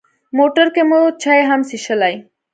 موټر کې مو چای هم څښلې.